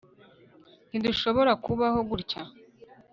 ntidushobora kubaho gutya